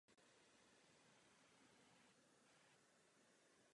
Nepotřebujete žít v bunkrech.